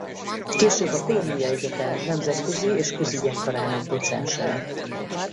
Később a Columbia Egyetem nemzetközi és közügyek karának docense lett.